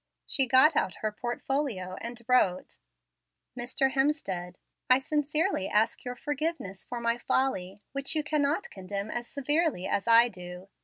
She got out her portfolio and wrote: "Mr. Hemstead, I sincerely ask your forgiveness for my folly, which you cannot condemn as severely as I do.